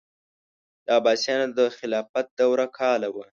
د عباسیانو د خلافت دوره کاله وه.